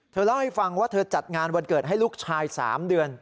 เล่าให้ฟังว่าเธอจัดงานวันเกิดให้ลูกชาย๓เดือน